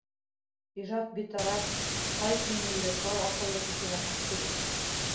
Ижад битараф, һай күңелле, тар аҡыллы кешегә хас түгел.